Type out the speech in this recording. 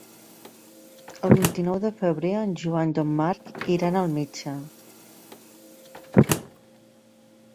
El vint-i-nou de febrer en Joan i en Marc iran al metge.